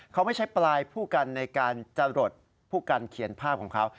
เขาไม่ใช่ปลายผู้กันในการจรดผู้กันเขียนภาพของเขา